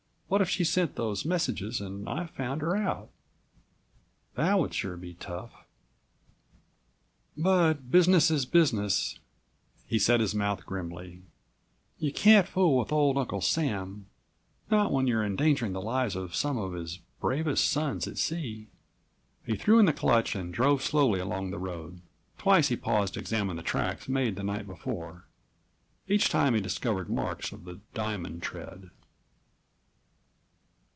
What if she sent those messages and I found her out? That would sure be tough. "But business is business!" He set his mouth grimly. "You can't fool with old Uncle33 Sam, not when you're endangering the lives of some of his bravest sons at sea." He threw in the clutch and drove slowly along the road. Twice he paused to examine the tracks made the night before. Each time he discovered marks of the diamond tread.